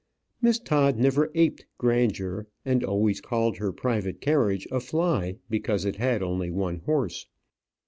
Miss Todd never aped grandeur, and always called her private carriage a fly, because it had only one horse.